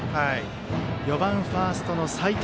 打席には４番ファーストの齋藤。